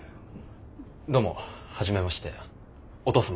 どうも初めましてお父様。